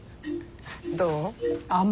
どう？